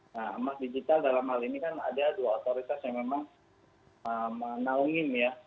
nah emas digital dalam hal ini kan ada dua otoritas yang memang menaungin ya